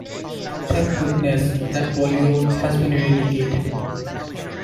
Thank goodness that polio has been eradicated.